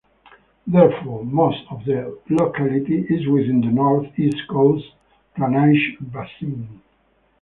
Therefore most of the locality is within the North East Coast drainage basin.